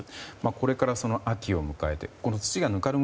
これから秋を迎えて土がぬかるむ